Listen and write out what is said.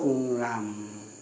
thuê mày ở nhà mày